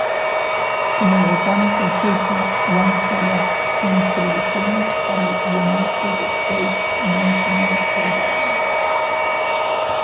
Como Botánico Jefe lanza las "Contribuciones para el United States National Herbarium".